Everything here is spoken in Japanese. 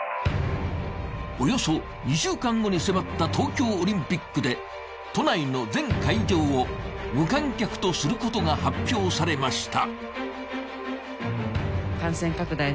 およそ２週間後に迫った東京オリンピックで都内の全会場を無観客とすることが発表されました。